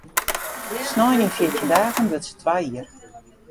Snein yn fjirtjin dagen wurdt se twa jier.